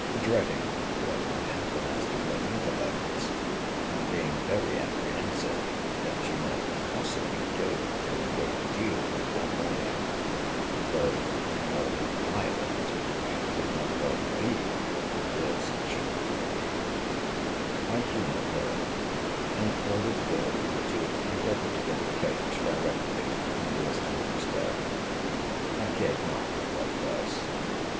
Dreading what might happen as to her intellects, and being very apprehensive that she might possibly go through a great deal before morning, (though more violent she could not well be with the worst she dreaded,) I humoured her, and ordered Will. to endeavour to get a coach directly, to carry us to Hampstead; I cared not at what price.